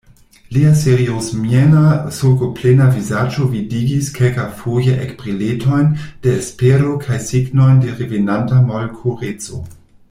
Lia seriozmiena, sulkoplena vizaĝo vidigis kelkafoje ekbriletojn de espero kaj signojn de revenanta molkoreco.